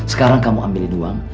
sekarang kamu ambilin uang